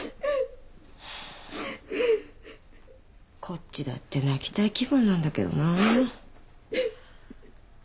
こっちだって泣きたい気分なんだけどな。